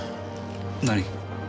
何？